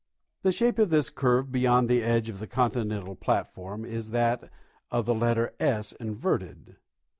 The shape of this curve beyond the edge of the continental platform is that of the letter S inverted.